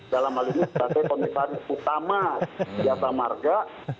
dalam hal ini mbak tubang it half chick utama ya pak marga